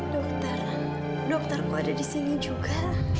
dokter dokter ku ada di sini juga